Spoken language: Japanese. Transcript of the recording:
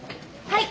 はい。